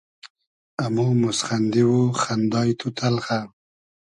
امو موسخئندی و خئندای تو تئلخۂ